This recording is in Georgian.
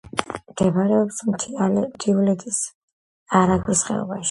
მდებარეობს მთიულეთის არაგვის ხეობაში.